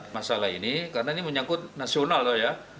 masalah ini karena ini menyangkut nasional loh ya